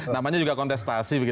namanya juga kontestasi